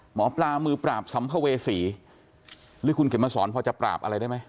หมอปลามือปราบสัมภเวษีหรือคุณเข็มมาสอนพอจะปราบอะไรได้ไหม